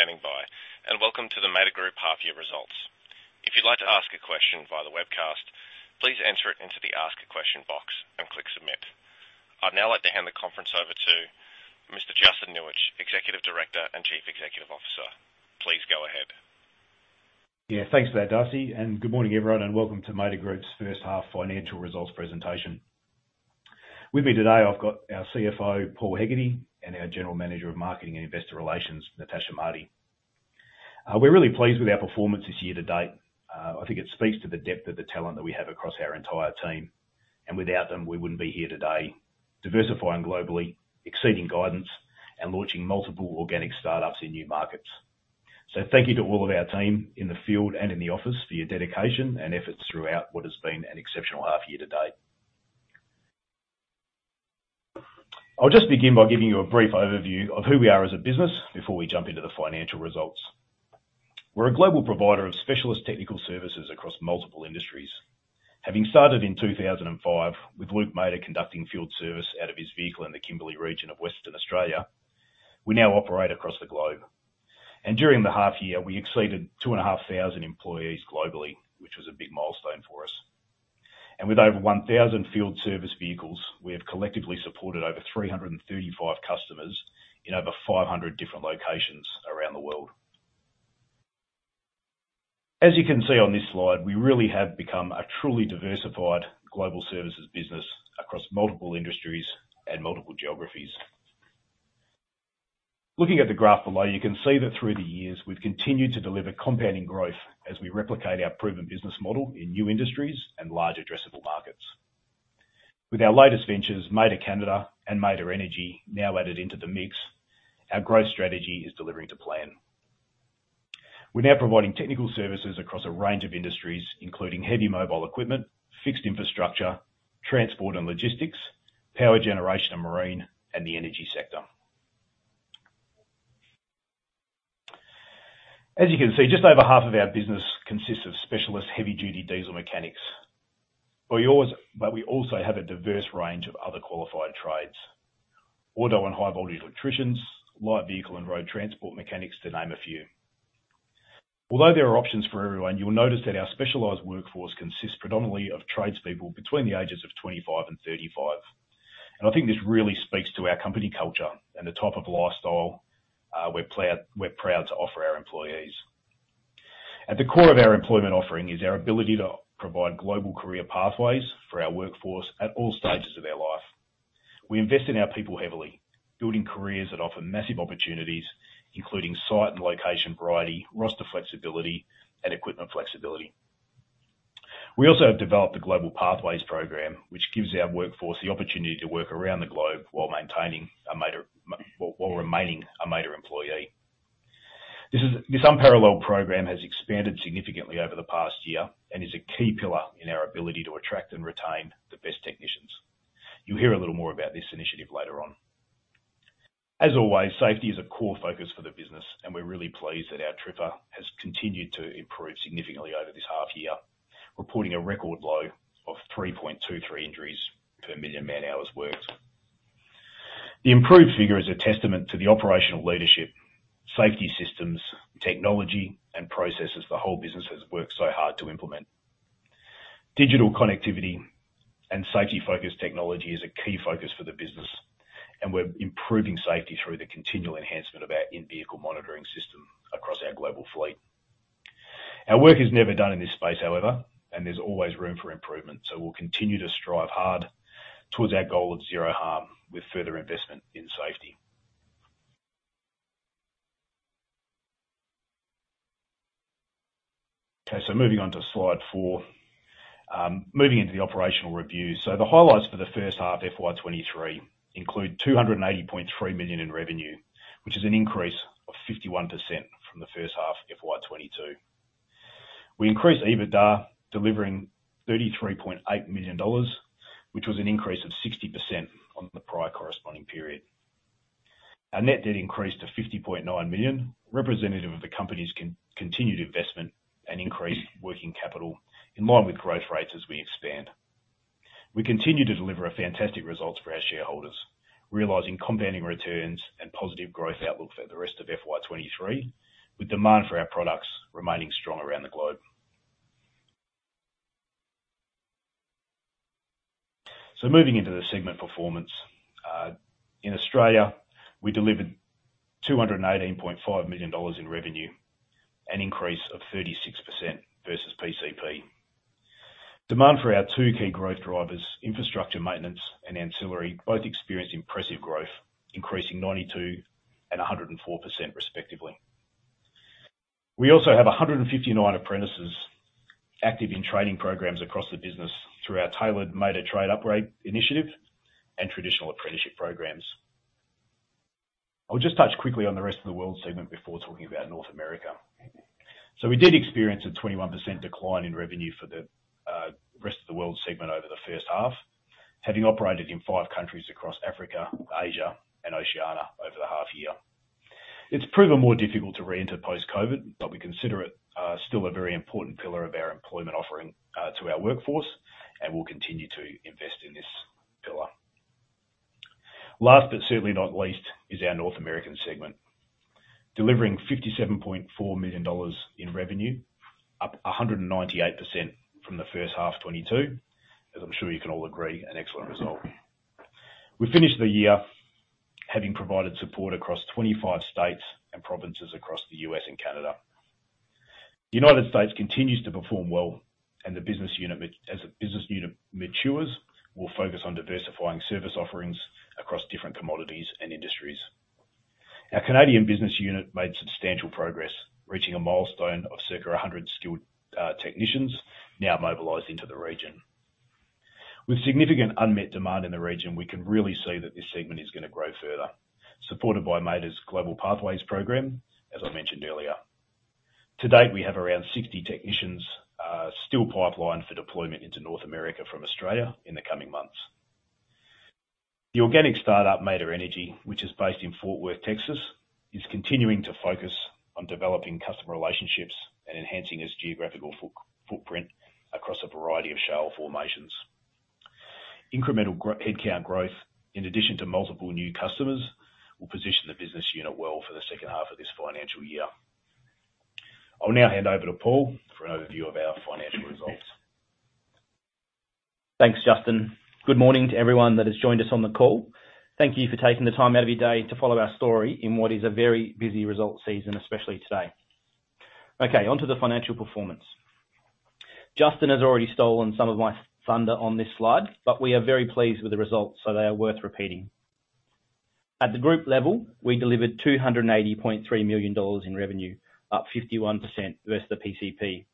Thank you for standing by, and welcome to the Mader Group half year results. If you'd like to ask a question via the webcast, please enter it into the ask a question box and click submit. I'd now like to hand the conference over to Mr. Justin Nuich, Executive Director and Chief Executive Officer. Please go ahead. Thanks for that, Darcy. Good morning, everyone, and welcome to Mader Group's first half financial results presentation. With me today, I've got our CFO, Paul Hegarty, and our General Manager of Marketing and Investor Relations, Natasha Marti. We're really pleased with our performance this year to date. I think it speaks to the depth of the talent that we have across our entire team, and without them, we wouldn't be here today, diversifying globally, exceeding guidance, and launching multiple organic startups in new markets. Thank you to all of our team in the field and in the office for your dedication and efforts throughout what has been an exceptional half year to date. I'll just begin by giving you a brief overview of who we are as a business before we jump into the financial results. We're a global provider of specialist technical services across multiple industries. Having started in 2005 with Luke Mader conducting field service out of his vehicle in the Kimberley region of Western Australia, we now operate across the globe. During the half year, we exceeded 2,500 employees globally, which was a big milestone for us. With over 1,000 field service vehicles, we have collectively supported over 335 customers in over 500 different locations around the world. As you can see on this slide, we really have become a truly diversified global services business across multiple industries and multiple geographies. Looking at the graph below, you can see that through the years, we've continued to deliver compounding growth as we replicate our proven business model in new industries and large addressable markets. With our latest ventures, Mader Canada and Mader Energy, now added into the mix, our growth strategy is delivering to plan. We're now providing technical services across a range of industries, including heavy mobile equipment, fixed infrastructure, transport and logistics, power generation and marine, and the energy sector. As you can see, just over half of our business consists of specialist heavy duty diesel mechanics. We also have a diverse range of other qualified trades, auto and high voltage electricians, light vehicle and road transport mechanics to name a few. Although there are options for everyone, you'll notice that our specialized workforce consists predominantly of tradespeople between the ages of 25 and 35. I think this really speaks to our company culture and the type of lifestyle we're proud to offer our employees. At the core of our employment offering is our ability to provide global career pathways for our workforce at all stages of their life. We invest in our people heavily, building careers that offer massive opportunities, including site and location variety, roster flexibility and equipment flexibility. We also have developed the Global Pathways program, which gives our workforce the opportunity to work around the globe while remaining a Mader employee. This unparalleled program has expanded significantly over the past year and is a key pillar in our ability to attract and retain the best technicians. You'll hear a little more about this initiative later on. As always, safety is a core focus for the business, and we're really pleased that our TRIFR has continued to improve significantly over this half year, reporting a record low of 3.23 injuries per million man-hours worked. The improved figure is a testament to the operational leadership, safety systems, technology, and processes the whole business has worked so hard to implement. Digital connectivity and safety-focused technology is a key focus for the business, and we're improving safety through the continual enhancement of our in-vehicle monitoring system across our global fleet. Our work is never done in this space, however, and there's always room for improvement, so we'll continue to strive hard towards our goal of zero harm with further investment in safety. Moving on to slide four. Moving into the operational review. The highlights for the first half FY 2023 include 280.3 million in revenue, which is an increase of 51% from the first half FY 2022. We increased EBITDA, delivering 33.8 million dollars, which was an increase of 60% on the prior corresponding period. Our net debt increased to 50.9 million, representative of the company's continued investment and increased working capital in line with growth rates as we expand. We continue to deliver fantastic results for our shareholders, realizing compounding returns and positive growth outlook for the rest of FY 2023, with demand for our products remaining strong around the globe. Moving into the segment performance. In Australia, we delivered 218.5 million dollars in revenue, an increase of 36% versus PCP. Demand for our two key growth drivers, infrastructure maintenance and ancillary, both experienced impressive growths, increasing 92% and 104% respectively. We also have 159 apprentices active in training programs across the business through our tailored Mader Trade Upgrade initiative and traditional apprenticeship programs. I'll just touch quickly on the Rest of the World segment before talking about North America. We did experience a 21% decline in revenue for the Rest of the World segment over the first half, having operated in five countries across Africa, Asia, and Oceania over the half year. It's proven more difficult to re-enter post-COVID, but we consider it still a very important pillar of our employment offering to our workforce, and we'll continue to invest in this pillar. Last but certainly not least is our North American segment. Delivering $57.4 million in revenue, up 198% from the first half FY 2022. As I'm sure you can all agree, an excellent result. We finished the year having provided support across 25 states and provinces across the U.S. and Canada. The United States continues to perform well, and as the business unit matures, we'll focus on diversifying service offerings across different commodities and industries. Our Canadian business unit made substantial progress, reaching a milestone of circa 100 skilled technicians now mobilized into the region. With significant unmet demand in the region, we can really see that this segment is gonna grow further, supported by Mader's Global Pathways program, as I mentioned earlier. To date, we have around 60 technicians still pipelined for deployment into North America from Australia in the coming months. The organic startup, Mader Energy, which is based in Fort Worth, Texas, is continuing to focus on developing customer relationships and enhancing its geographical footprint across a variety of shale formations. Incremental headcount growth in addition to multiple new customers will position the business unit well for the second half of this financial year. I'll now hand over to Paul for an overview of our financial results. Thanks, Justin. Good morning to everyone that has joined us on the call. Thank you for taking the time out of your day to follow our story in what is a very busy result season, especially today. Onto the financial performance. Justin has already stolen some of my thunder on this slide, but we are very pleased with the results, so they are worth repeating. At the group level, we delivered 280.3 million dollars in revenue, up 51% versus the PCP.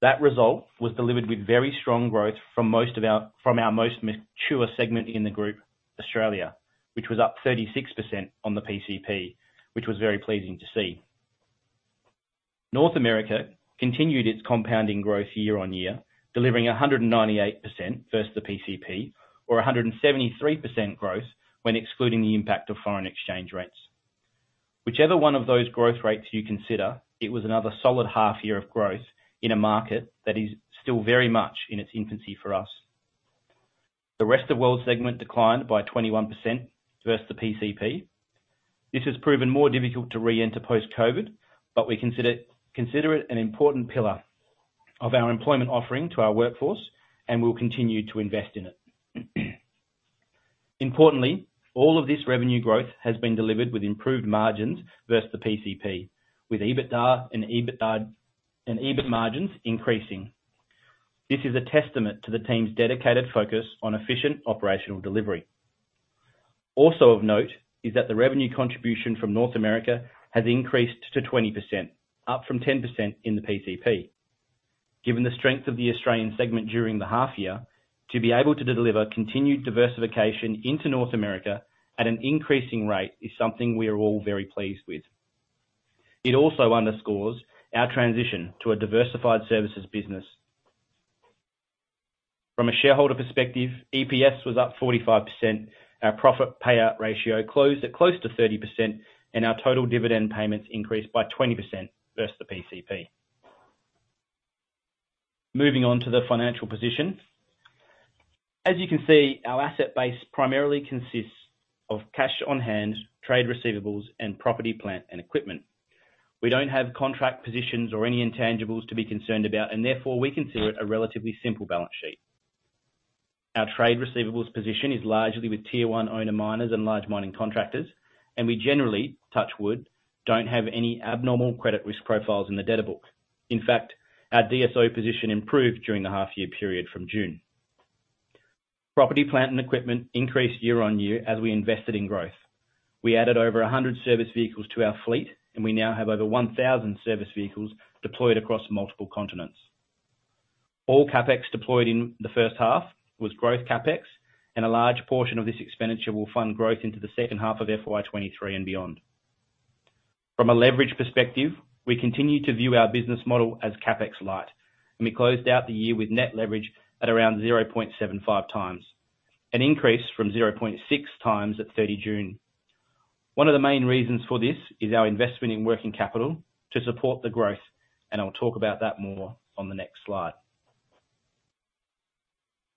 That result was delivered with very strong growth from our most mature segment in the group, Australia, which was up 36% on the PCP, which was very pleasing to see. North America continued its compounding growth year-on-year, delivering 198% versus the PCP or 173% growth when excluding the impact of foreign exchange rates. Whichever one of those growth rates you consider, it was another solid half year of growth in a market that is still very much in its infancy for us. The Rest of World segment declined by 21% versus the PCP. This has proven more difficult to re-enter post-COVID, but we consider it an important pillar of our employment offering to our workforce and will continue to invest in it. Importantly, all of this revenue growth has been delivered with improved margins versus the PCP, with EBITDA and EBIT margins increasing. This is a testament to the team's dedicated focus on efficient operational delivery. Of note is that the revenue contribution from North America has increased to 20%, up from 10% in the PCP. Given the strength of the Australian segment during the half year, to be able to deliver continued diversification into North America at an increasing rate is something we are all very pleased with. It also underscores our transition to a diversified services business. From a shareholder perspective, EPS was up 45%, our profit payout ratio closed at close to 30%, and our total dividend payments increased by 20% versus the PCP. Moving on to the financial position. As you can see, our asset base primarily consists of cash on hand, trade receivables, and property, plant, and equipment. We don't have contract positions or any intangibles to be concerned about, and therefore, we consider it a relatively simple balance sheet. Our trade receivables position is largely with Tier 1 owner miners and large mining contractors, and we generally, touch wood, don't have any abnormal credit risk profiles in the debtor book. In fact, our DSO position improved during the half year period from June. Property, plant, and equipment increased year on year as we invested in growth. We added over 100 service vehicles to our fleet, and we now have over 1,000 service vehicles deployed across multiple continents. All CapEx deployed in the first half was growth CapEx, and a large portion of this expenditure will fund growth into the second half of FY 2023 and beyond. From a leverage perspective, we continue to view our business model as CapEx light, and we closed out the year with net leverage at around 0.75x, an increase from 0.6x on June 30. One of the main reasons for this is our investment in working capital to support the growth, and I'll talk about that more on the next slide.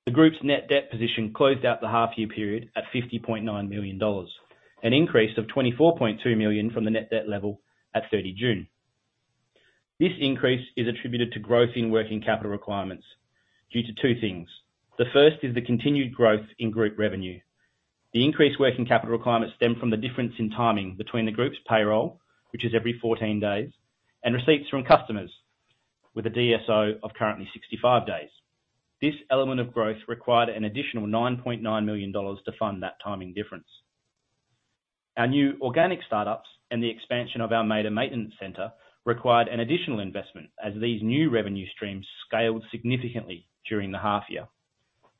The group's net debt position closed out the half year period at 50.9 million dollars, an increase of 24.2 million from the net debt level on June 30. This increase is attributed to growth in working capital requirements due to two things. The first is the continued growth in group revenue. The increased working capital requirements stem from the difference in timing between the group's payroll, which is every 14 days, and receipts from customers with a DSO of currently 65 days. This element of growth required an additional 9.9 million dollars to fund that timing difference. Our new organic startups and the expansion of our Mader Maintenance Centre required an additional investment as these new revenue streams scaled significantly during the half year.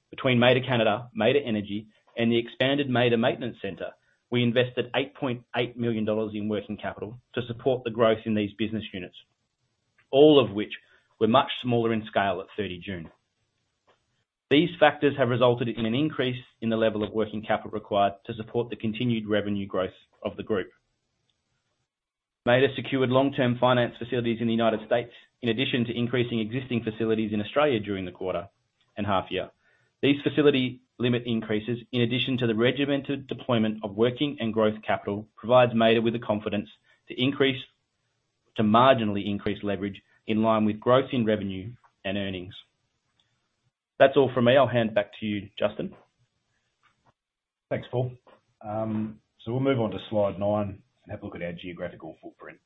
Between Mader Canada, Mader Energy, and the expanded Mader Maintenance Centre, we invested 8.8 million dollars in working capital to support the growth in these business units, all of which were much smaller in scale at 30 June. These factors have resulted in an increase in the level of working capital required to support the continued revenue growth of the group. Mader secured long term finance facilities in the United States in addition to increasing existing facilities in Australia during the quarter and half year. These facilities limit increases, in addition to the regimented deployment of working and growth capital, provides Mader with the confidence to marginally increase leverage in line with growth in revenue and earnings. That's all from me. I'll hand back to you, Justin. Thanks, Paul. We'll move on to slide nine and have a look at our geographical footprint.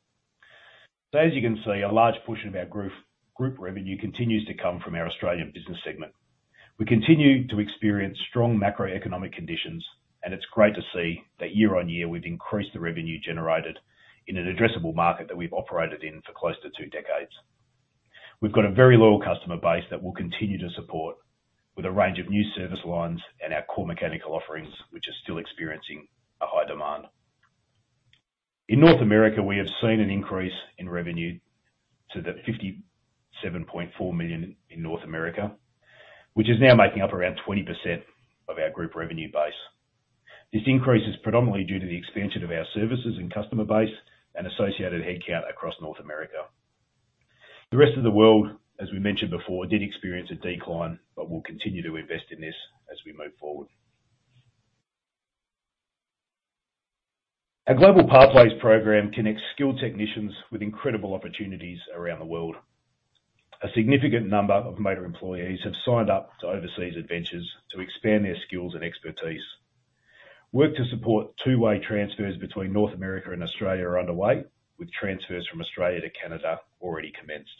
As you can see, a large portion of our group revenue continues to come from our Australian business segment. We continue to experience strong macroeconomic conditions, and it's great to see that year-on-year we've increased the revenue generated in an addressable market that we've operated in for close to two decades. We've got a very loyal customer base that we'll continue to support with a range of new service lines and our core mechanical offerings, which are still experiencing a high demand. In North America, we have seen an increase in revenue to $57.4 million in North America, which is now making up around 20% of our group revenue base. This increase is predominantly due to the expansion of our services and customer base and associated headcount across North America. The Rest of the World, as we mentioned before, did experience a decline, but we'll continue to invest in this as we move forward. Our Global Pathways Program connects skilled technicians with incredible opportunities around the world. A significant number of Mader employees have signed up to overseas adventures to expand their skills and expertise. Work to support two-way transfers between North America and Australia are underway, with transfers from Australia to Canada already commenced.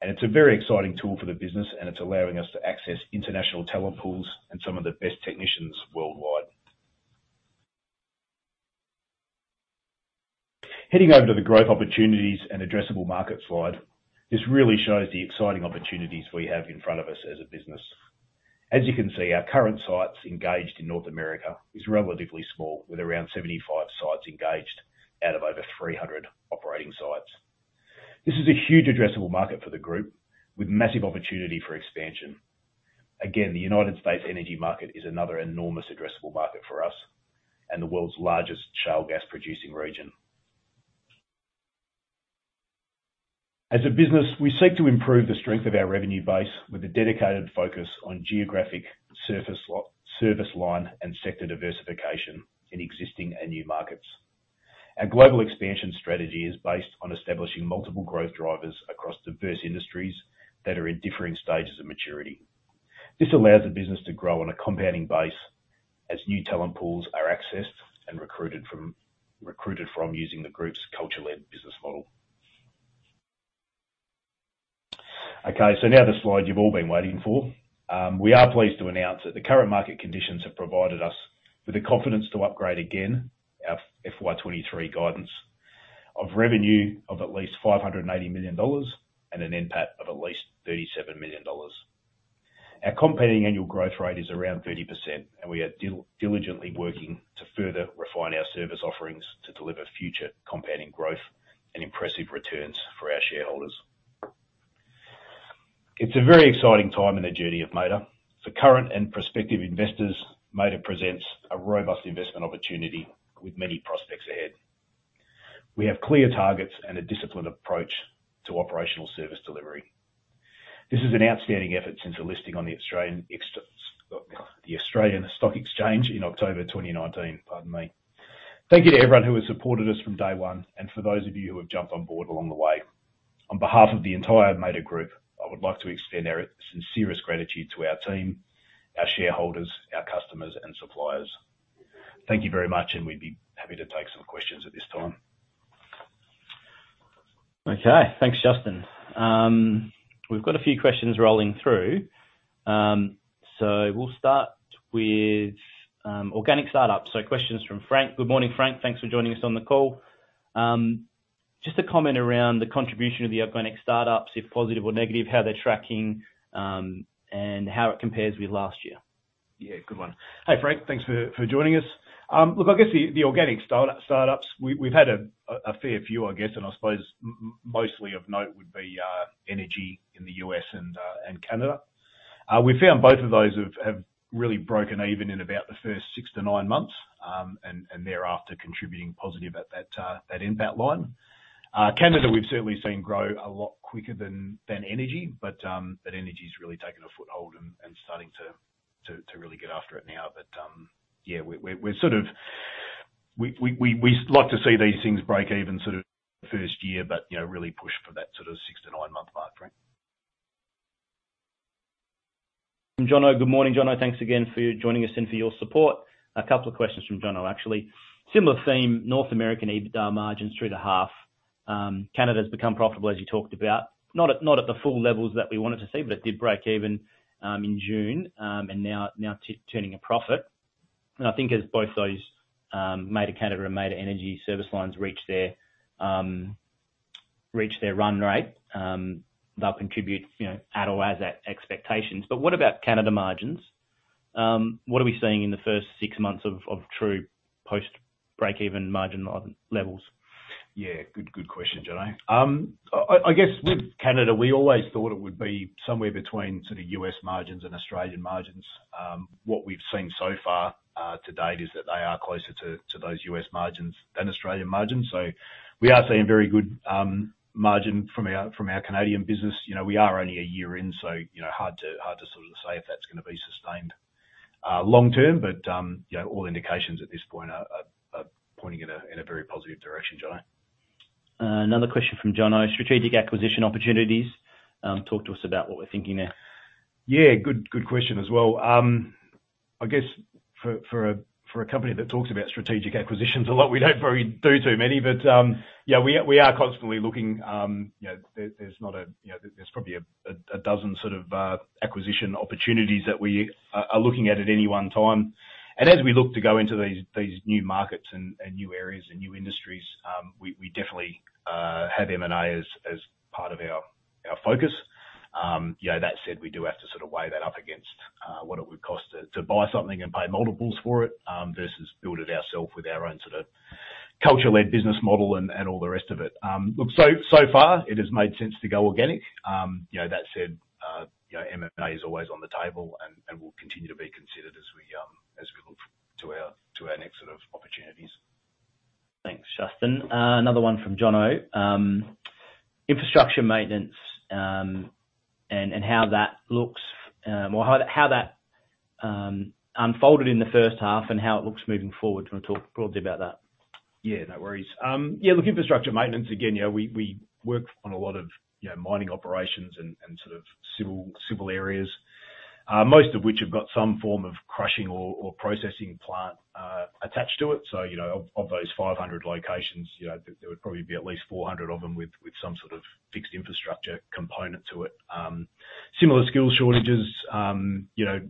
It's a very exciting tool for the business, and it's allowing us to access international talent pools and some of the best technicians worldwide. Heading over to the growth opportunities and addressable market slide. This really shows the exciting opportunities we have in front of us as a business. As you can see, our current sites engaged in North America is relatively small, with around 75 sites engaged out of over 300 operating sites. This is a huge addressable market for the group with massive opportunity for expansion. The United States energy market is another enormous addressable market for us and the world's largest shale gas producing region. As a business, we seek to improve the strength of our revenue base with a dedicated focus on geographic service line and sector diversification in existing and new markets. Our global expansion strategy is based on establishing multiple growth drivers across diverse industries that are in differing stages of maturity. This allows the business to grow on a compounding base as new talent pools are accessed and recruited from using the group's culture-led business model. Now the slide you've all been waiting for. We are pleased to announce that the current market conditions have provided us with the confidence to upgrade again our FY 2023 guidance of revenue of at least 580 million dollars and an NPAT of at least 37 million dollars. Our competing annual growth rate is around 30%, we are diligently working to further refine our service offerings to deliver future compounding growth and impressive returns for our shareholders. It's a very exciting time in the journey of Mader. For current and prospective investors, Mader presents a robust investment opportunity with many prospects ahead. We have clear targets and a disciplined approach to operational service delivery. This is an outstanding effort since the listing on the Australian Stock Exchange in October 2019. Pardon me. Thank you to everyone who has supported us from day one and for those of you who have jumped on board along the way. On behalf of the entire Mader Group, I would like to extend our sincerest gratitude to our team, our shareholders, our customers and suppliers. Thank you very much and we'd be happy to take some questions at this time. Okay. Thanks, Justin. We've got a few questions rolling through. We'll start with organic startups. Questions from Frank. Good morning, Frank. Thanks for joining us on the call. Just a comment around the contribution of the organic startups, if positive or negative, how they're tracking, and how it compares with last year. Yeah, good one. Hey, Frank, thanks for joining us. Look, I guess the organic startups, we've had a fair few, I guess. I suppose mostly of note would be Energy in the U.S. and Canada. We found both of those have really broken even in about the first six months to nine months, and thereafter contributing positive at that impact line. Canada, we've certainly seen grow a lot quicker than Energy, but Energy's really taken a foothold and starting to really get after it now. Yeah, we're sort of... We like to see these things break even sort of first year, but, you know, really push for that sort of six months to nine months mark, Frank. From Jono. Good morning, Jono. Thanks again for joining us and for your support. A couple of questions from Jono, actually. Similar theme, North American EBITDA margins through the half. Canada's become profitable, as you talked about. Not at the full levels that we wanted to see, but it did break even in June and now turning a profit. I think as both those Mader Canada and Mader Energy service lines reach their run rate, they'll contribute, you know, at or as at expectations. What about Canada margins? What are we seeing in the first six months of true post-break even margin levels? Yeah. Good, good question, Jono. I guess with Canada, we always thought it would be somewhere between sort of U.S. margins and Australian margins. What we've seen so far to date is that they are closer to those U.S. margins than Australian margins. We are seeing very good margin from our Canadian business. You know, we are only a year in, so, you know, hard to sort of say if that's gonna be sustained long term. You know, all indications at this point are pointing in a very positive direction, Jono. Another question from Jono. Strategic acquisition opportunities. Talk to us about what we're thinking there? Yeah. Good, good question as well. I guess for a company that talks about strategic acquisitions a lot, we don't very do too many. Yeah, we are constantly looking, you know, there's not a, you know, there's probably a dozen sort of acquisition opportunities that we are looking at, at any one time. As we look to go into these new markets and new areas and new industries, we definitely have M&A as part of our focus. You know, that said, we do have to sort of weigh that up against what it would cost to buy something and pay multiples for it versus build it ourself with our own sort of culture-led business model and all the rest of it. Look, so far it has made sense to go organic. You know, that said, you know, M&A is always on the table and will continue to be considered as we, as we look to our, to our next set of opportunities. Thanks, Justin. Another one from Jono. Infrastructure maintenance, and how that looks, or how that unfolded in the first half and how it looks moving forward. Do you wanna talk broadly about that? No worries. Look, infrastructure maintenance again, you know, we work on a lot of, you know, mining operations and sort of civil areas, most of which have got some form of crushing or processing plant attached to it. You know, of those 500 locations, you know, there would probably be at least 400 of them with some sort of fixed infrastructure component to it. Similar skills shortages, you know,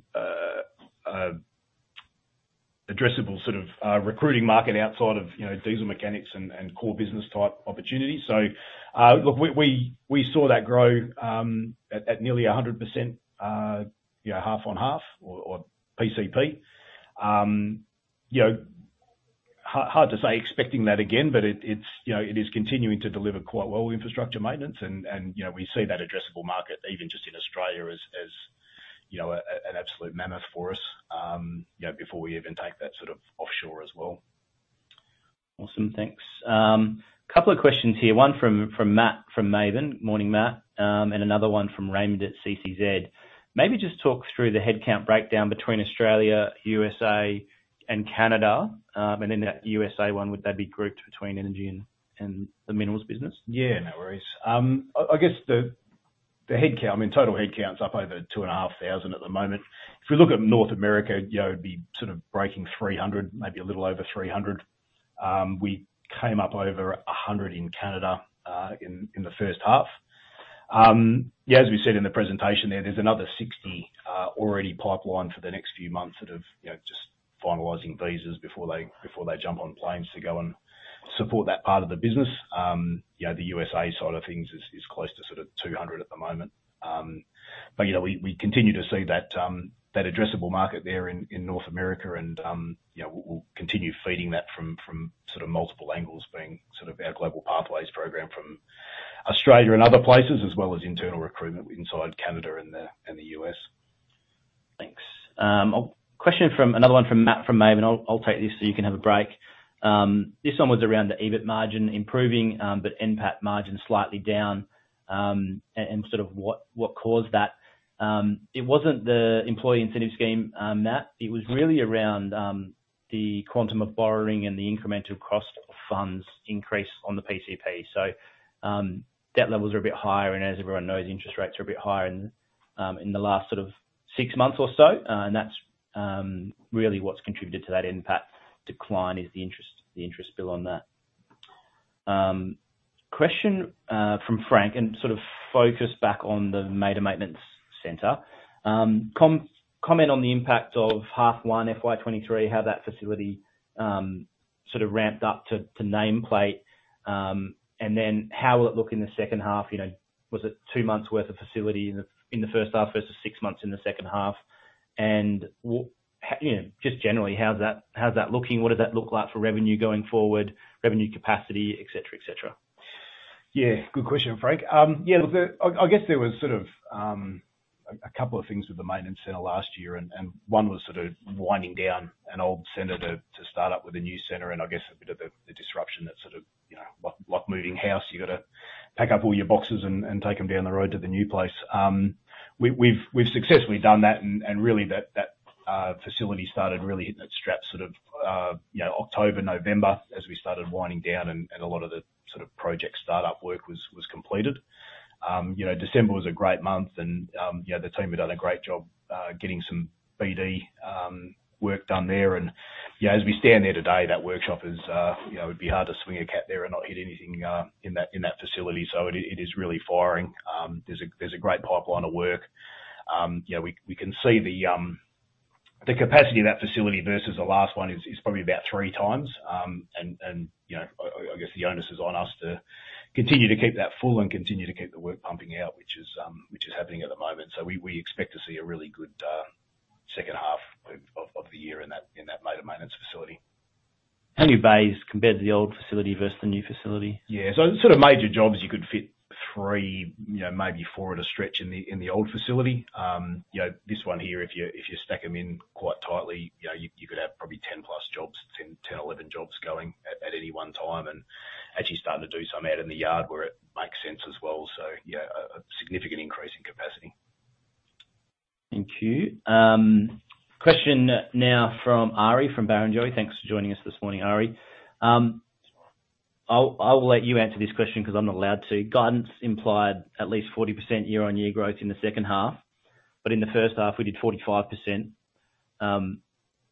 addressable sort of recruiting market outside of, you know, diesel mechanics and core business type opportunities. Look, we saw that grow at nearly 100%, you know, half on half or PCP. You know, hard to say expecting that again, but it's, you know, it is continuing to deliver quite well with infrastructure maintenance and, you know, we see that addressable market even just in Australia as, you know, an absolute mammoth for us, you know, before we even take that sort of offshore as well. Awesome. Thanks. Couple of questions here. One from Matt from Maven. Morning, Matt. Another one from Raymond at CCZ. Maybe just talk through the headcount breakdown between Australia, U.S.A. and Canada. In that U.S.A. one, would they be grouped between energy and the minerals business? Yeah, no worries. I guess the headcount, I mean, total headcount is up over 2,500 at the moment. If we look at North America, you know, it'd be sort of breaking 300, maybe a little over 300. We came up over 100 in Canada in the first half. Yeah, as we said in the presentation there's another 60 already pipelined for the next few months that have, you know, just finalizing visas before they jump on planes to go and support that part of the business. You know, the USA side of things is close to sort of 200 at the moment. You know, we continue to see that addressable market there in North America and, you know, we'll continue feeding that from sort of multiple angles being sort of our Global Pathways Program from Australia and other places, as well as internal recruitment inside Canada and the U.S. Thanks. A question from another one from Matt from Maven. I'll take this so you can have a break. This one was around the EBIT margin improving, NPAT margin slightly down, and what caused that. It wasn't the employee incentive scheme, Matt. It was really around the quantum of borrowing and the incremental cost of funds increase on the PCP. Debt levels are a bit higher and as everyone knows, interest rates are a bit higher in the last sort of six months or so. That's really what's contributed to that NPAT decline is the interest bill on that. Question from Frank, focus back on the Mader Maintenance Centre. Comment on the impact of H1 FY 2023, how that facility, sort of ramped up to nameplate. Then how will it look in the second half? You know, was it two months worth of facility in the, in the first half versus six months in the second half? You know, just generally, how's that looking? What does that look like for revenue going forward, revenue capacity, etcetera? Yeah, good question, Frank. I guess there was a couple of things with the Mader Maintenance Centre last year. One was sort of winding down an old center to start up with a new center. I guess a bit of the disruption that sort of, you know, like moving house, you gotta pack up all your boxes and take them down the road to the new place. We've successfully done that. Really that facility started really hitting its straps sort of, you know, October, November as we started winding down. A lot of the sort of project startup work was completed. You know, December was a great month and, you know, the team had done a great job getting some BD work done there. You know, as we stand there today, that workshop is, you know, it'd be hard to swing a cat there and not hit anything in that, in that facility. It, it is really firing. There's a, there's a great pipeline of work. You know, we can see the capacity of that facility versus the last one is probably about three times. You know, I guess the onus is on us to continue to keep that full and continue to keep the work pumping out, which is happening at the moment. We expect to see a really good second half of the year in that Mader Maintenance facility. How many bays compared to the old facility versus the new facility? Yeah. The sort of major jobs you could fit three, you know, maybe four at a stretch in the, in the old facility. You know, this one here, if you, if you stack them in quite tightly, you know, you could have probably 10 plus jobs, 10, 11 jobs going at any one time and actually starting to do some out in the yard where it makes sense as well. Yeah, a significant increase in capacity. Thank you. Question now from Ari from Barrenjoey. Thanks for joining us this morning, Ari. I will let you answer this question 'cause I'm not allowed to. Guidance implied at least 40% year-on-year growth in the second half, but in the first half we did 45%.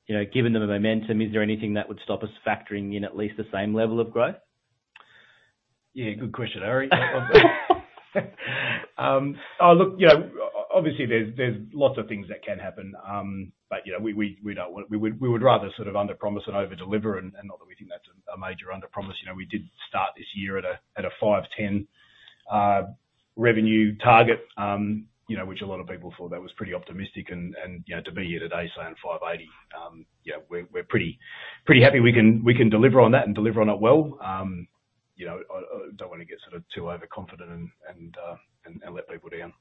you know, given the momentum, is there anything that would stop us factoring in at least the same level of growth? Yeah, good question, Ari. Look, you know, obviously there's lots of things that can happen, but, you know, we don't want. We would rather sort of underpromise and overdeliver and not that we think that's a major underpromise. You know, we did start this year at a 510 million revenue target, you know, which a lot of people thought that was pretty optimistic and, you know, to be here today saying 580 million. Yeah, we're pretty happy we can deliver on that and deliver on it well. You know, I don't wanna get sort of too overconfident and let people down.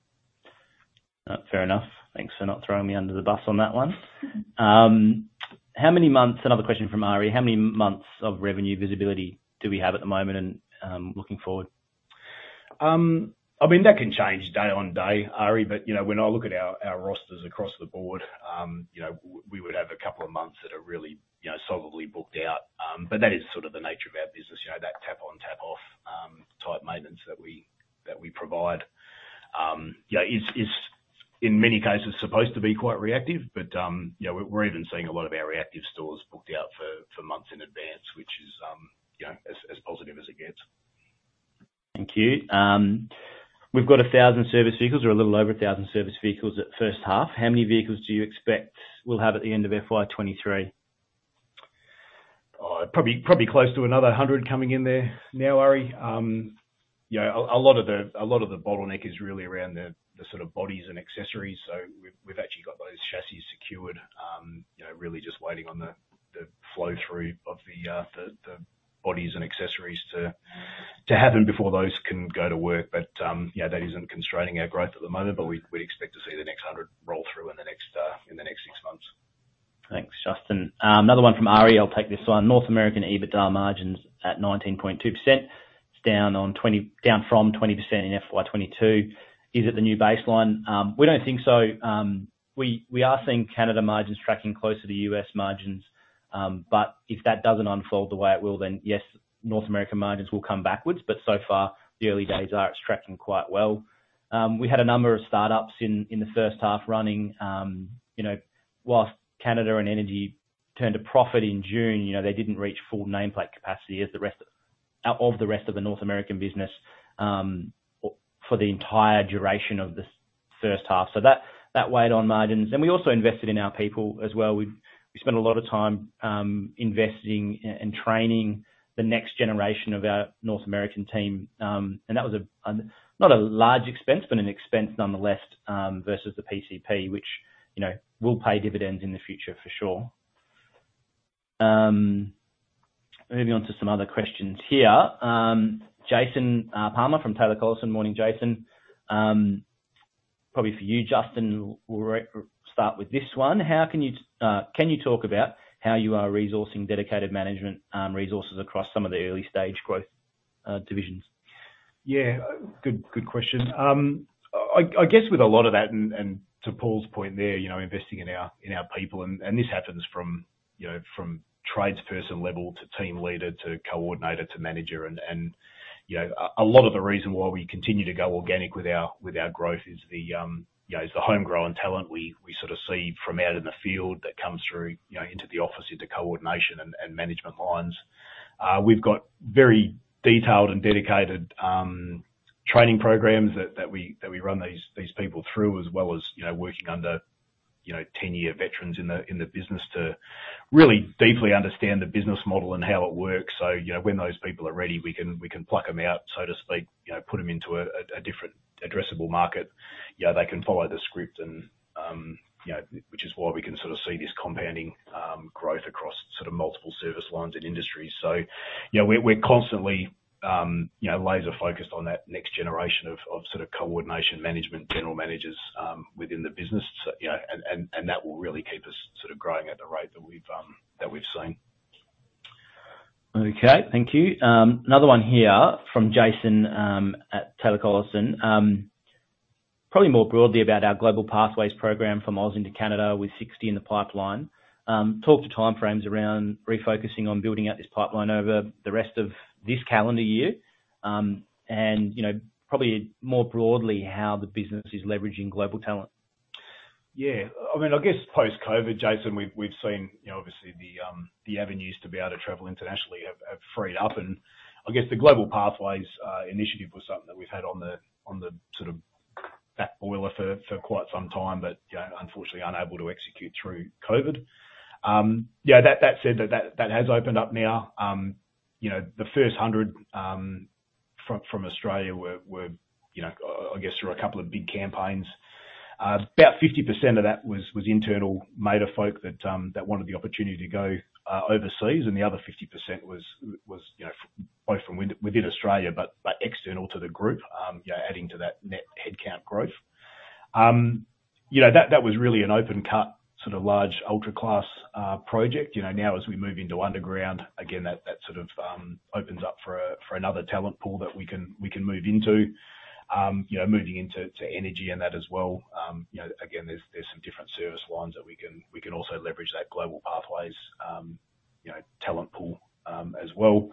Fair enough. Thanks for not throwing me under the bus on that one. Another question from Ari. How many months of revenue visibility do we have at the moment and, looking forward? I mean, that can change day on day, Ari, but, you know, when I look at our rosters across the board, you know, we would have a couple of months that are really, you know, solidly booked out. That is sort of the nature of our business, you know, that tap on, tap off, type maintenance that we provide. You know, is in many cases supposed to be quite reactive but, you know, we're even seeing a lot of our reactive stores booked out for months in advance, which is, you know, as positive as it gets. Thank you. We've got 1,000 service vehicles or a little over 1,000 service vehicles at first half. How many vehicles do you expect we'll have at the end of FY 2023? Probably close to another 100 coming in there now, Ari. You know, a lot of the bottleneck is really around the sort of bodies and accessories. We've actually got those chassis secured, you know, really just waiting on the flow through of the bodies and accessories to happen before those can go to work. You know, that isn't constraining our growth at the moment, but we expect to see the next 100 roll through in the next six months. Thanks, Justin. Another one from Ari. I'll take this one. North American EBITDA margins at 19.2%. It's down from 20% in FY 2022. Is it the new baseline? We don't think so. We, we are seeing Canada margins tracking closer to U.S. margins. If that doesn't unfold the way it will, then yes, North American margins will come backwards. So far, the early days are, it's tracking quite well. We had a number of startups in the first half running. You know, whilst Canada and Energy turned a profit in June, you know, they didn't reach full nameplate capacity as the rest of the rest of the North American business for the entire duration of the first half. That, that weighed on margins. We also invested in our people as well. We spent a lot of time investing and training the next generation of our North American team. That was not a large expense, but an expense nonetheless, versus the PCP, which, you know, will pay dividends in the future for sure. Moving on to some other questions here. Jason Palmer from Taylor Collison. Morning, Jason. Probably for you, Justin, we'll start with this one. How can you talk about how you are resourcing dedicated management resources across some of the early stage growth divisions? Good question. I guess with a lot of that and to Paul's point there, you know, investing in our people, and this happens from, you know, from tradesperson level to team leader to coordinator to manager. You know, a lot of the reason why we continue to go organic with our growth is the homegrown talent we sort of see from out in the field that comes through, you know, into the office, into coordination and management lines. We've got very detailed and dedicated training programs that we run these people through, as well as, you know, working under, you know, 10-year veterans in the business to really deeply understand the business model and how it works. You know, when those people are ready, we can pluck them out, so to speak, you know, put them into a different addressable market. You know, they can follow the script and, you know, which is why we can sort of see this compounding growth across sort of multiple service lines and industries. You know, we're constantly, you know, laser focused on that next generation of sort of coordination management, general managers within the business. You know, and that will really keep us sort of growing at the rate that we've that we've seen. Okay. Thank you. Another one here from Jason, at Taylor Collison. Probably more broadly about our Global Pathways Program from Aus into Canada with 60 in the pipeline. Talk to timeframes around refocusing on building out this pipeline over the rest of this calendar year. You know, probably more broadly, how the business is leveraging global talent. Yeah. I mean, I guess post-COVID, Jason, we've seen, you know, obviously the avenues to be able to travel internationally have freed up. I guess the Global Pathways initiative was something that we've had on the sort of back burner for quite some time, but, you know, unfortunately unable to execute through COVID. Yeah, that said that has opened up now. You know, the first 100 From Australia were, you know, I guess through a couple of big campaigns. About 50% of that was internal, Mader folk that wanted the opportunity to go overseas, and the other 50% was, you know, both from within Australia, but external to the group, you know, adding to that net headcount growth. You know, that was really an open cut, sort of large ultra class project. You know, now as we move into underground, again, that sort of opens up for another talent pool that we can move into. you know, moving into energy and that as well. you know, again, there's some different service lines that we can also leverage that Global Pathways talent pool as well.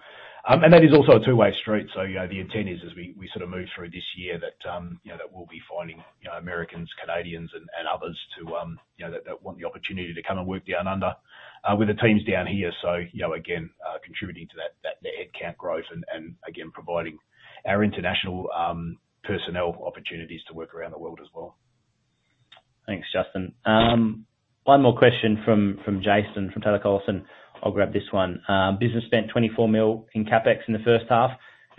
And that is also a two-way street. The intent is as we sort of move through this year that, you know, we'll be finding, you know, Americans, Canadians and others to, you know, that want the opportunity to come and work down under with the teams down here. You know, again, contributing to that headcount growth and again, providing our international personnel opportunities to work around the world as well. Thanks, Justin. One more question from Jason from Taylor Collison. I'll grab this one. Business spent 24 million in CapEx in the first half.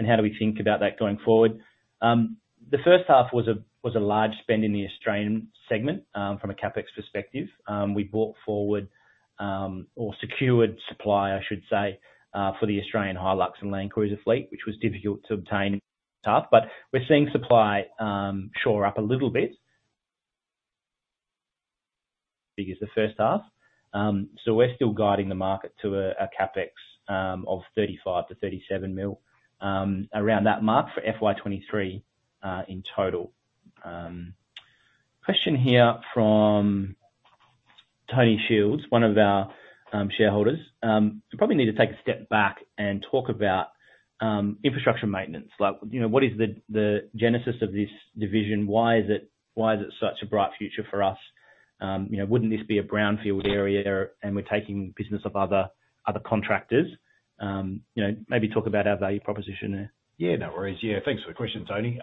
How do we think about that going forward? The first half was a large spend in the Australian segment from a CapEx perspective. We brought forward or secured supply, I should say, for the Australian Hilux and Land Cruiser fleet, which was difficult to obtain in the first half. We're seeing supply shore up a little bit. Big as the first half. We're still guiding the market to a CapEx of 35 million-37 million around that mark for FY 2023 in total. Question here from Tony Shields, one of our shareholders. We probably need to take a step back and talk about infrastructure maintenance. Like, you know, what is the genesis of this division? Why is it such a bright future for us? You know, wouldn't this be a brownfield area and we're taking business of other contractors? You know, maybe talk about our value proposition there. Yeah, no worries. Yeah, thanks for the question, Tony.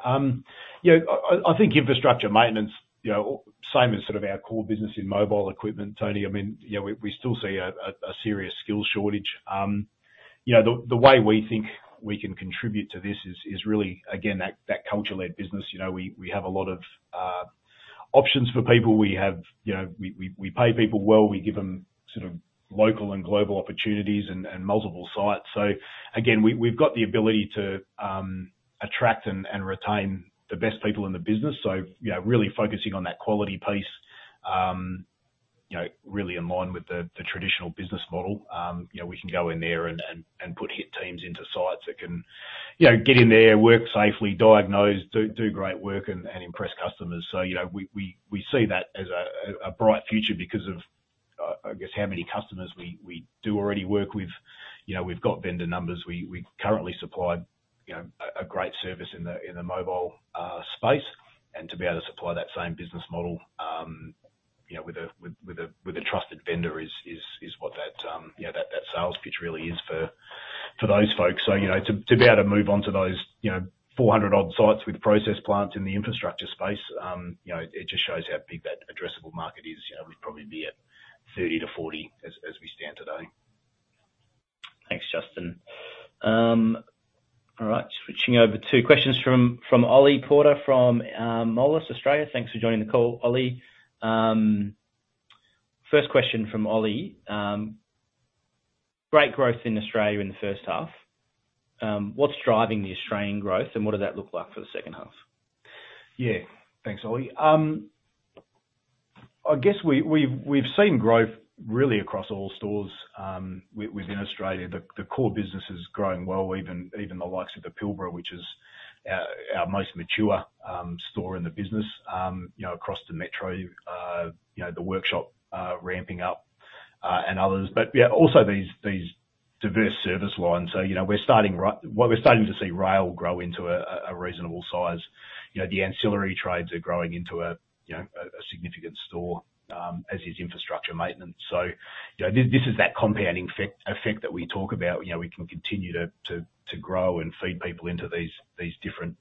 You know, I think infrastructure maintenance, you know, same as sort of our core business in mobile equipment, Tony. I mean, you know, we still see a serious skills shortage. You know, the way we think we can contribute to this is really, again, that culture-led business. You know, we have a lot of options for people. We have, you know, we pay people well. We give them sort of local and global opportunities and multiple sites. Again, we've got the ability to attract and retain the best people in the business. You know, really focusing on that quality piece, you know, really in line with the traditional business model. You know, we can go in there and put hit teams into sites that can, you know, get in there, work safely, diagnose, do great work and impress customers. You know, we see that as a bright future because of, I guess how many customers we do already work with. You know, we've got vendor numbers. We currently supply, you know, a great service in the mobile space. To be able to supply that same business model, you know, with a trusted vendor is what that, you know, that sales pitch really is for those folks. You know, to be able to move on to those, you know, 400 odd sites with process plants in the infrastructure space, you know, it just shows how big that addressable market is. You know, we'd probably be at 30-40 as we stand today. Thanks, Justin. All right, switching over to questions from Oli Porter, from Moelis Australia. Thanks for joining the call, Oli. First question from Oli. Great growth in Australia in the first half. What's driving the Australian growth and what does that look like for the second half? Yeah. Thanks, Oli. I guess we've, we've seen growth really across all stores within Australia. The core business is growing well, even the likes of the Pilbara, which is our most mature store in the business. You know, across to Metro, you know, the workshop ramping up and others. Yeah, also these diverse service lines. You know, we're starting Well, we're starting to see rail grow into a reasonable size. You know, the ancillary trades are growing into a, you know, a significant store as is infrastructure maintenance. You know, this is that compounding effect that we talk about. You know, we can continue to grow and feed people into these different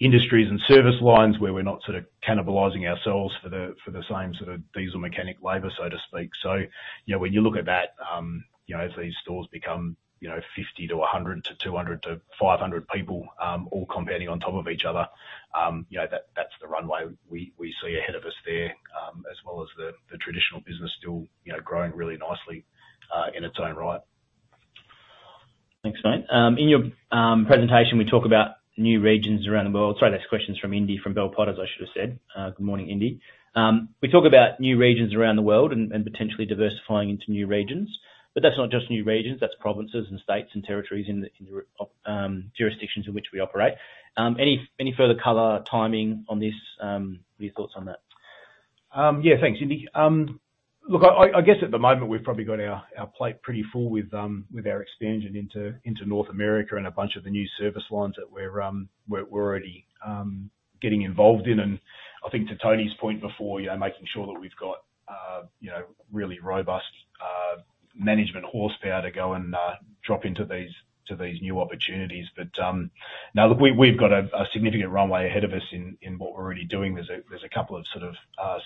industries and service lines where we're not sort of cannibalizing ourselves for the, for the same sort of diesel mechanic labor, so to speak. You know, when you look at that, you know, as these stores become, you know, 50 to 100 to 200 to 500 people, all competing on top of each other, you know, that's the runway we see ahead of us there, as well as the traditional business still, you know, growing really nicely in its own right. Thanks, mate. In your presentation, we talk about new regions around the world. Sorry, that's questions from Indy, from Bell Potter, I should have said. Good morning, Indy. We talk about new regions around the world and potentially diversifying into new regions. That's not just new regions, that's provinces and states and territories in the jurisdictions in which we operate. Any further color timing on this? What are your thoughts on that? Yeah. Thanks, Indy. Look, I guess at the moment we've probably got our plate pretty full with our expansion into North America and a bunch of the new service lines that we're already getting involved in. I think to Tony's point before, you know, making sure that we've got, you know, really robust, management horsepower to go and drop into these, to these new opportunities. We, we've got a significant runway ahead of us in what we're already doing. There's a, there's a couple of sort of,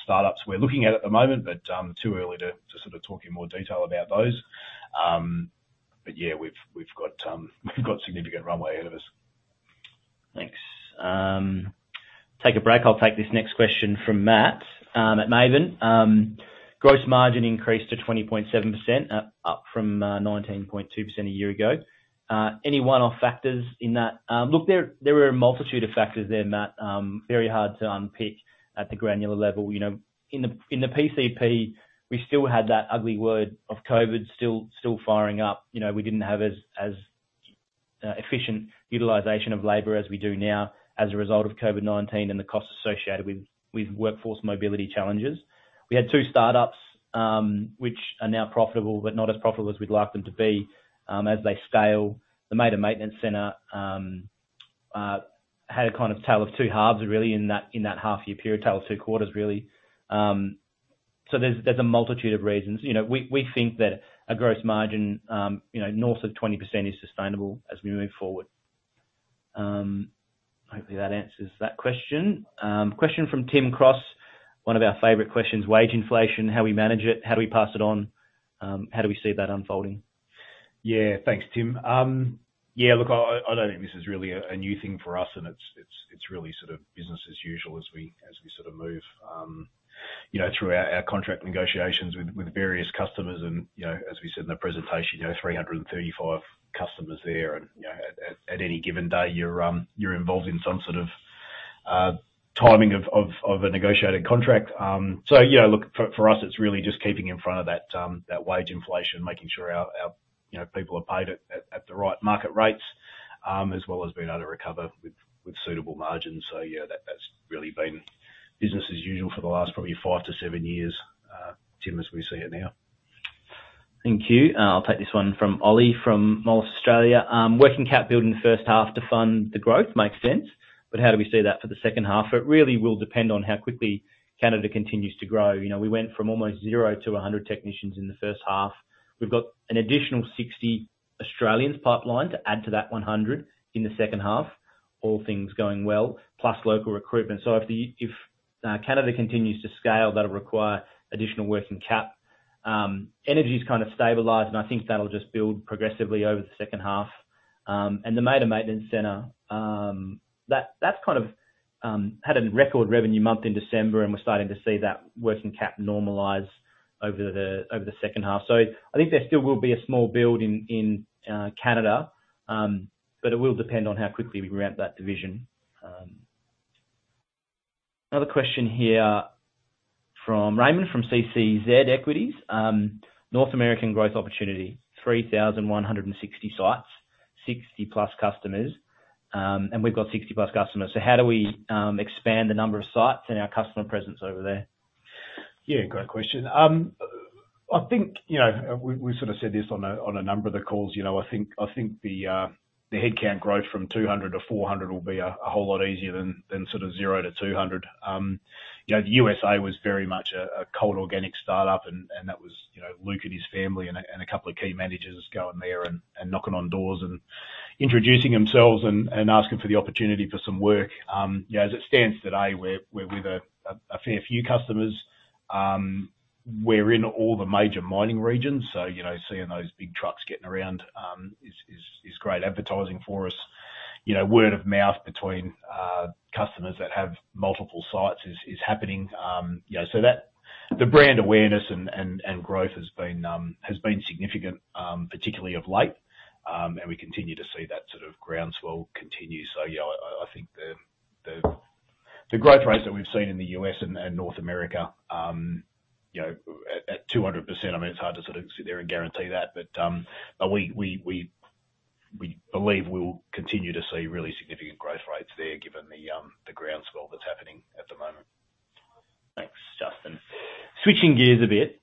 startups we're looking at at the moment, but too early to sort of talk in more detail about those. Yeah, we've got, we've got significant runway ahead of us. Thanks. Take a break. I'll take this next question from Matt at Maven Funds Management. Gross margin increased to 20.7%, up from 19.2% a year ago. Any one-off factors in that? Look, there are a multitude of factors there, Matt. Very hard to unpick at the granular level. You know, in the PCP, we still had that ugly word of COVID still firing up. You know, we didn't have as efficient utilization of labor as we do now as a result of COVID-19 and the costs associated with workforce mobility challenges. We had two startups, which are now profitable, but not as profitable as we'd like them to be, as they scale. The Mader Maintenance Centre had a kind of tale of two halves really in that half year period. Tale of two quarters, really. There's a multitude of reasons. You know, we think that a gross margin, you know, north of 20% is sustainable as we move forward. Hopefully that answers that question. Question from Tim Cross, one of our favorite questions: wage inflation, how we manage it, how do we pass it on, how do we see that unfolding? Thanks, Tim. Look, I don't think this is really a new thing for us and it's really sort of business as usual as we sort of move, you know, through our contract negotiations with various customers and, you know, as we said in the presentation, you know, 335 customers there and, you know, at any given day, you're involved in some sort of timing of a negotiated contract. Look, for us, it's really just keeping in front of that wage inflation, making sure our, you know, people are paid at the right market rates, as well as being able to recover with suitable margins. Yeah, that's really been business as usual for the last probably five to seven years, Tim, as we see it now. Thank you. I'll take this one from Oli from MA Moelis Australia. Working capital in the first half to fund the growth makes sense, but how do we see that for the second half? It really will depend on how quickly Canada continues to grow. You know, we went from almost 0 to 100 technicians in the first half. We've got an additional 60 Australians pipelined to add to that 100 in the second half, all things going well, plus local recruitment. If Canada continues to scale, that'll require additional working cap. Energy's kind of stabilized, and I think that'll just build progressively over the second half. The Mader Maintenance Centre, that's kind of had a record revenue month in December, and we're starting to see that working cap normalize over the second half. I think there still will be a small build in Canada, but it will depend on how quickly we ramp that division. Another question here from Raymond from CCZ Equities. North American growth opportunity, 3,160 sites, and we've got 60-plus customers. How do we expand the number of sites and our customer presence over there? Yeah, great question. I think, we sort of said this on a number of the calls, I think the headcount growth from 200-400 will be a whole lot easier than sort of 0-200. The U.S.A. was very much a cold organic startup, that was Luke and his family and a couple of key managers going there, knocking on doors, introducing themselves, asking for the opportunity for some work. As it stands today, we're with a fair few customers. We're in all the major mining regions, seeing those big trucks getting around is great advertising for us. You know, word of mouth between customers that have multiple sites is happening. You know, so the brand awareness and growth has been significant, particularly of late. We continue to see that sort of groundswell continue. Yeah, I think the growth rates that we've seen in the U.S. and North America, you know, at 200%, I mean, it's hard to sort of sit there and guarantee that, but we believe we'll continue to see really significant growth rates there given the groundswell that's happening at the moment. Thanks, Justin. Switching gears a bit,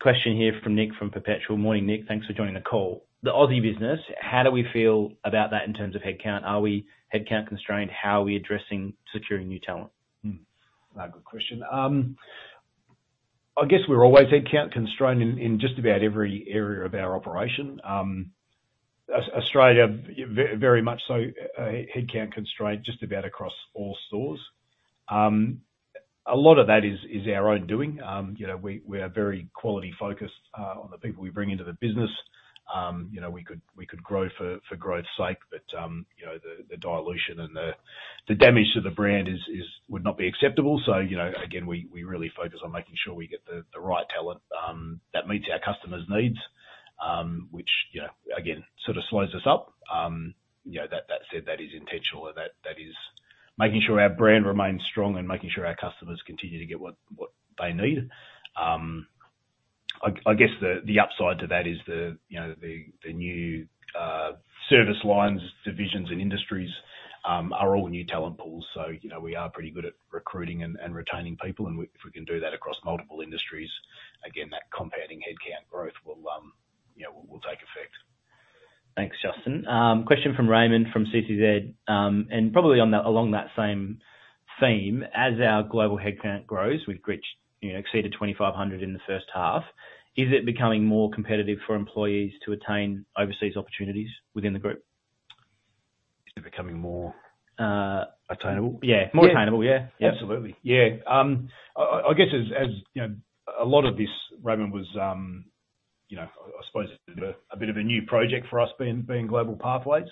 question here from Nick from Perpetual. Morning, Nick. Thanks for joining the call. The Aussie business, how do we feel about that in terms of headcount? Are we headcount constrained? How are we addressing securing new talent? Good question. I guess we're always headcount constrained in just about every area of our operation. Australia, very much so, headcount constrained just about across all stores. A lot of that is our own doing. You know, we are very quality focused on the people we bring into the business. You know, we could grow for growth's sake, but, you know, the dilution and the damage to the brand is would not be acceptable. You know, again, we really focus on making sure we get the right talent that meets our customers' needs, which, you know, again, sort of slows us up. You know, that said, that is intentional and that is making sure our brand remains strong and making sure our customers continue to get what they need. I guess the upside to that is the, you know, the new service lines, divisions and industries are all new talent pools. You know, we are pretty good at recruiting and retaining people and if we can do that across multiple industries, again, that compounding headcount growth will, you know, will take effect. Thanks, Justin. Question from Raymond from CCZ. Probably along that same theme, as our global headcount grows, we've reached, you know, exceeded 2,500 in the first half, is it becoming more competitive for employees to attain overseas opportunities within the group? Is it becoming more attainable? Yeah. Yeah. More attainable, yeah. Absolutely. Yeah. I guess as, you know, a lot of this, Raymond, was, you know, I suppose a bit of a bit of a new project for us being Global Pathways.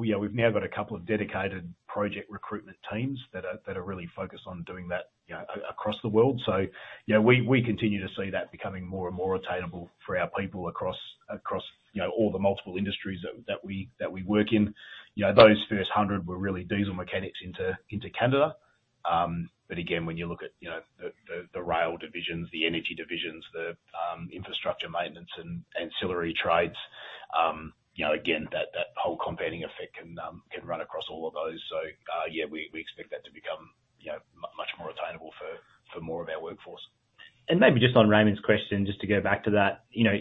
Yeah, we've now got a couple of dedicated project recruitment teams that are really focused on doing that, you know, across the world. You know, we continue to see that becoming more and more attainable for our people across, you know, all the multiple industries that we work in. You know, those first 100 were really diesel mechanics into Canada. Again, when you look at, you know, the rail divisions, the energy divisions, the infrastructure maintenance and ancillary trades, you know, again, that whole compounding effect can run across all of those. Yeah, we expect that to become, you know, much more attainable for more of our workforce. Maybe just on Raymond's question, just to go back to that. You know,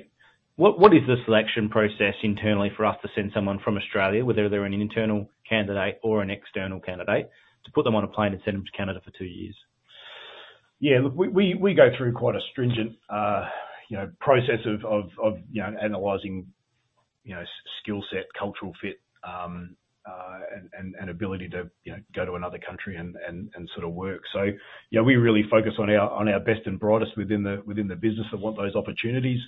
what is the selection process internally for us to send someone from Australia, whether they're an internal candidate or an external candidate, to put them on a plane and send them to Canada for two years? Yeah, look, we go through quite a stringent, you know, process of, you know, analyzing, you know, skill set, cultural fit, and ability to, you know, go to another country and sort of work. Yeah, we really focus on our best and brightest within the business that want those opportunities.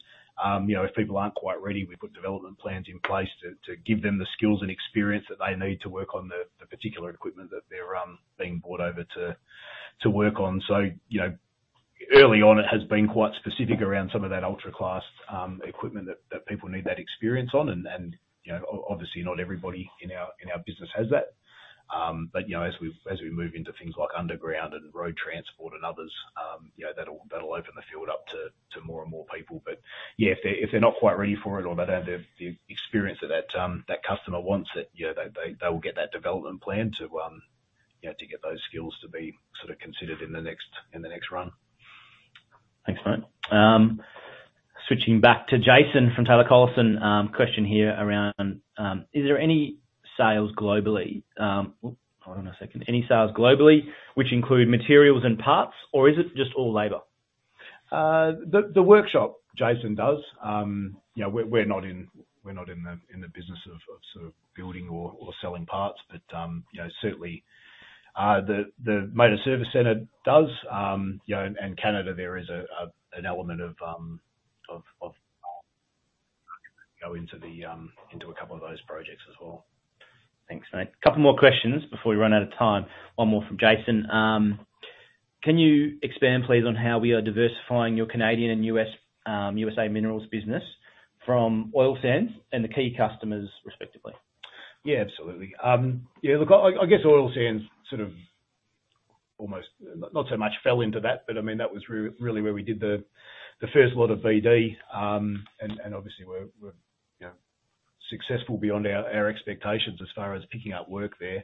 You know, if people aren't quite ready, we put development plans in place to give them the skills and experience that they need to work on the particular equipment that they're being brought over to work on. You know, early on it has been quite specific around some of that ultra class equipment that people need that experience on and, you know, obviously not everybody in our business has that. You know, as we move into things like underground and road transport and others, you know, that'll open the field up to more and more people. Yeah, if they're not quite ready for it or they don't have the experience that that customer wants it, you know, they will get that development plan to, you know, to get those skills to be sort of considered in the next run. Thanks, mate. Switching back to Jason from Taylor Collison, question here around, is there any sales globally? Oh, hold on a second. Any sales globally which include materials and parts, or is it just all labor? The workshop Jason does, you know, we're not in the business of sort of building or selling parts. You know, certainly, the Mader Service Centre does. You know, in Canada there is an element of go into the into a couple of those projects as well. Thanks, mate. Couple more questions before we run out of time. One more from Jason. Can you expand please on how we are diversifying your Canadian and U.S., U.S.A. minerals business from oil sands and the key customers respectively? Yeah, absolutely. Yeah, look, I guess oil sands sort of almost, not so much fell into that, but I mean, that was really where we did the first lot of BD. Obviously, we're, you know, successful beyond our expectations as far as picking up work there.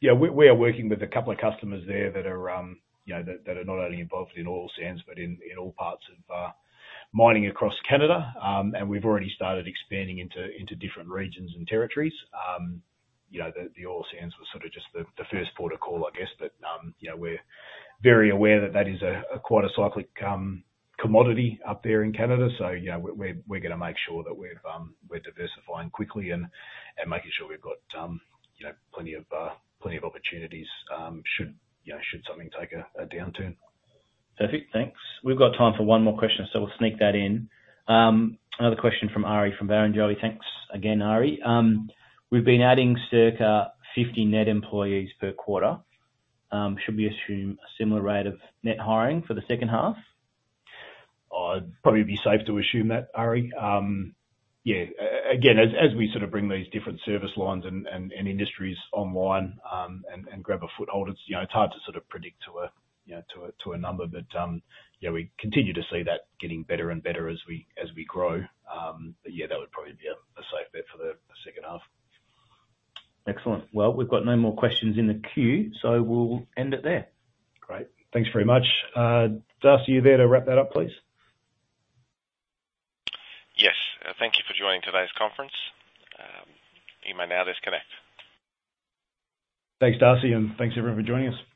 Yeah, we are working with a couple of customers there that are, you know, that are not only involved in oil sands, but in all parts of mining across Canada. We've already started expanding into different regions and territories. You know, the oil sands were sort of just the first port of call, I guess. You know, we're very aware that that is a quite a cyclic commodity up there in Canada. You know, we're gonna make sure that we're diversifying quickly and making sure we've got, you know, plenty of opportunities, should, you know, should something take a downturn. Perfect. Thanks. We've got time for one more question, so we'll sneak that in. Another question from Ari from Barrenjoey. Thanks again, Ari. We've been adding circa 50 net employees per quarter. Should we assume a similar rate of net hiring for the second half? It'd probably be safe to assume that Ari. Yeah. Again, as we sort of bring these different service lines and industries online, and grab a foothold, it's, you know, it's hard to sort of predict to a, you know, to a number. You know, we continue to see that getting better and better as we grow. Yeah, that would probably be a safe bet for the second half. Excellent. Well, we've got no more questions in the queue, so we'll end it there. Great. Thanks very much. Darcy, are you there to wrap that up, please? Yes. thank you for joining today's conference. you may now disconnect. Thanks, Darcy. Thanks everyone for joining us.